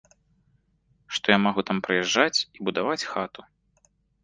Што я магу там прыязджаць і будаваць хату.